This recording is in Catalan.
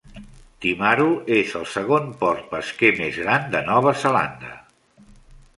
Timaru és el segon port pesquer més gran de Nova Zelanda.